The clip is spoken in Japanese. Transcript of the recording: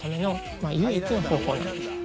まあ唯一の方法なんです